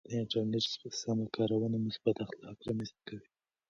د انټرنیټ سمه کارونه مثبت اخلاق رامنځته کوي.